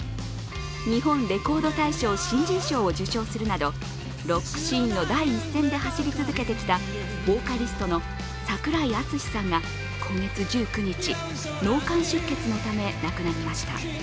日本レコード大賞新人賞を受賞するなどロックシーンの第一線で走り続けてきたボーカリストの櫻井敦司さんが今月１９日、脳幹出血のため、亡くなりました。